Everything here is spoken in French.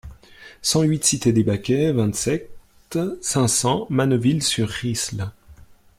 cent huit cité des Baquets, vingt-sept, cinq cents, Manneville-sur-Risle